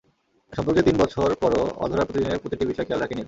সম্পর্কের তিন বছর পরও অধরার প্রতিদিনের প্রতিটি বিষয় খেয়াল রাখে নীল।